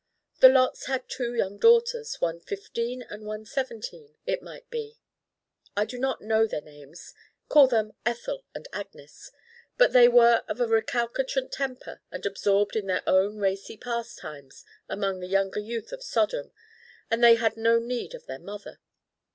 The Lots had two young daughters, one fifteen and one seventeen, it might be. I do not know their names call them Ethel and Agnes. But they were of a recalcitrant temper and absorbed in their own racy pastimes among the younger youth of Sodom and they had no need of their mother.